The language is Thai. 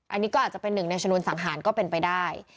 อันนี้ก็อาจจะเป็นหนึ่งในชนวนสังหารก็เป็นไปได้